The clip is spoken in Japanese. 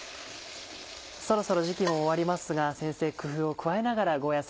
そろそろ時期も終わりますが先生工夫を加えながらゴーヤ